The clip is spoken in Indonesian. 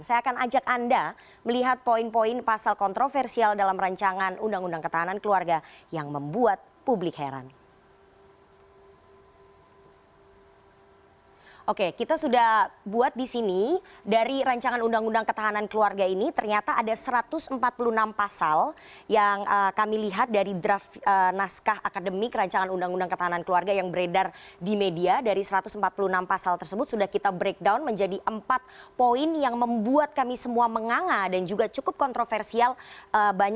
saya akan ajak anda melihat poin poin pasal kontroversial dalam rancangan undang undang ketahanan keluarga yang membuat publik heran